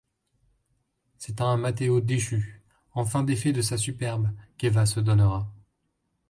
C'est à un Matteo déchu, enfin défait de sa superbe, qu'Éva se donnera.